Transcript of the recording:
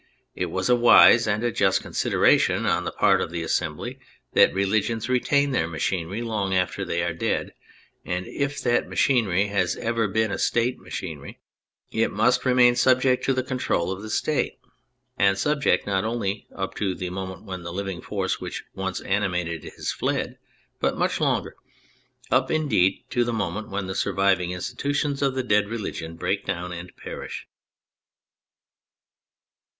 It was a wise and a just consideration on the part of the Assembly that religions retain their machinery long after they are dead, and if that machinery has ever been a State machinery it must remain subject to the control of the State : and subject not only up to the moment when the living force which once animated it is fled, but much longer; up, indeed, to the moment when the surviving institutions of the dead religion break down and perish.